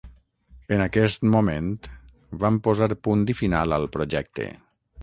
En aquest moment, van posar punt i final al projecte.